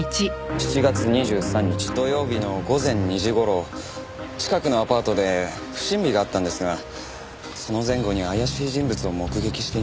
７月２３日土曜日の午前２時頃近くのアパートで不審火があったんですがその前後に怪しい人物を目撃していませんか？